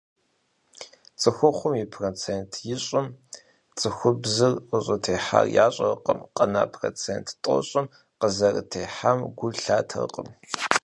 Цӏыхухъум и процент ищӏым цӏыхубзыр къыщӏытехьар ящӏэркъым, къэна процент тӏощӏым къызэрытехьам гу лъатэркъым.